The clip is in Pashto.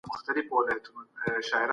د ټاکنیزو کمپاینونو پر مهال بحثونه کیدل.